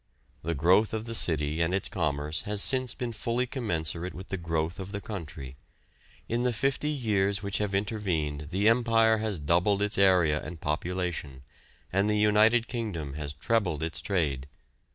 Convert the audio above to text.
The growth of the city and its commerce has since been fully commensurate with the growth of the country. In the fifty years which have intervened the Empire has doubled its area and population, and the United Kingdom has trebled its trade.